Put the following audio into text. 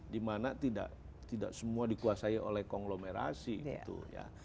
dimana tidak semua dikuasai oleh konglomerasi gitu ya